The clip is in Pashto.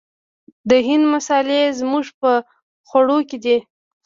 د هند مسالې زموږ په خوړو کې دي.